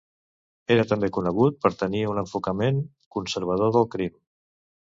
Era també conegut per tenir un enfocament conservador del crim.